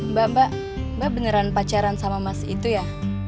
mbak mbak mbak beneran pacaran sama mas itu ya